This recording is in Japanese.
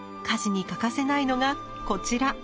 家事に欠かせないのがこちら。